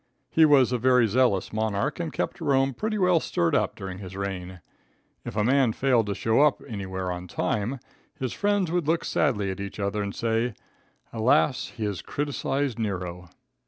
He was a very zealous monarch and kept Rome pretty well stirred up during his reign. If a man failed to show up anywhere on time, his friends would look sadly at each other and say, "Alas, he has criticised Nero."